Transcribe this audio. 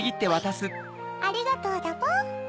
ありがとうだポ。